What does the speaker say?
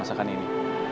dari masakan ini